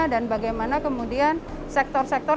dan bagaimana kemudian sektor sektor